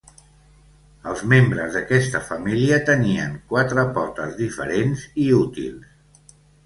Els membres d'aquesta família tenien quatre potes diferents i útils.